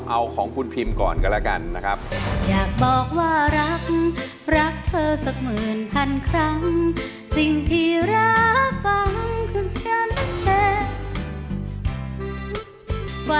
เอาของคุณพิมก่อนกันแล้วกันนะครับ